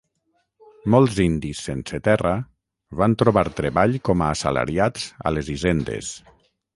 Molts indis sense terra van trobar treball com a assalariats a les hisendes.